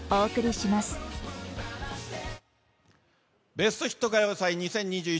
ベストヒット歌謡祭２０２１